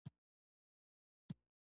لمسی له دیني زده کړو سره علاقه لري.